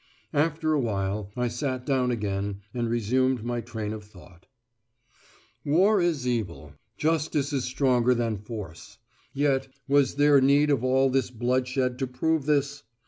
After a while I sat down again and resumed my train of thought: War is evil. Justice is stronger than Force. Yet, was there need of all this bloodshed to prove this?